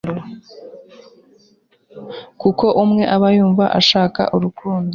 kuko umwe aba yumva ashaka urukundo